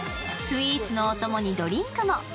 スイーツのお供にドリンクも。